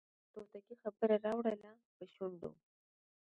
توتکۍ خبره راوړله پر شونډو